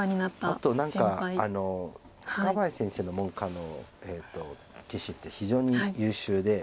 あと何か高林先生の門下の棋士って非常に優秀で。